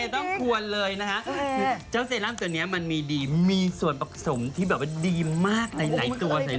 กลุ่มเอต้องควรเลยนะคะแซลัมตัวนี้มันมีส่วนผสมที่แบบว่าดีมากในหลายตัว